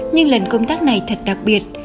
nhưng lần công tác này thật đặc biệt